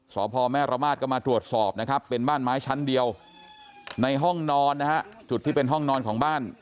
สพแม่ระมาทก็มาตรวจสอบนะครับเป็นบ้านไม้ชั้นเดียวในห้องนอนนะฮะจุดที่เป็นห้องนอนของบ้าน